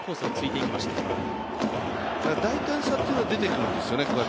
大胆さというのはこうやって出てくるんですよね。